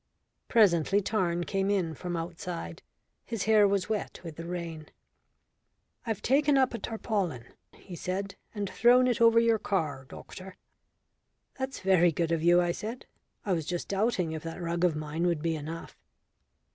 Presently Tarn came in from outside. His hair was wet with the rain. "I've taken up a tarpaulin," he said, "and thrown it over your car, doctor." "That's very good of you," I said. "I was just doubting if that rug of mine would be enough."